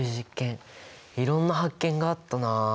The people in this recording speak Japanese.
いろんな発見があったな。